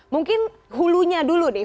mungkin hulunya dulu nih